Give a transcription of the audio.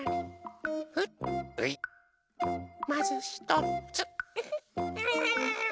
まずひとつ。